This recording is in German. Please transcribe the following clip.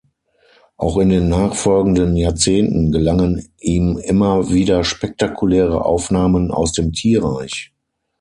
Auch in den nachfolgenden Jahrzehnten gelangen ihm immer wieder spektakuläre Aufnahmen aus dem Tierreich.